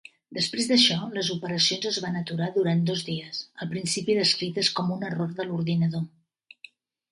Després d'això, les operacions es van aturar durant dos dies, al principi descrites com a un error de l'ordinador.